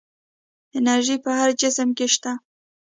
انرژي په هر جسم کې شته.